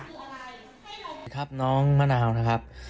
สวัสดีครับน้องมะนาวนะครับ